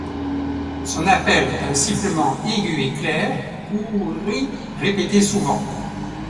Son appel est un sifflement aigu et clair, coû-rî, répété souvent.